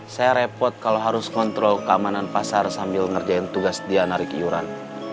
saya repot kalau harus kontrol keamanan pasar sambil ngerjain tugas dia narik iuran